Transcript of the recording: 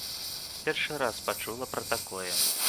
Першы раз пачула пра такое.